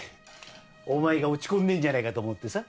お前が落ち込んでるんじゃないかと思ってさ。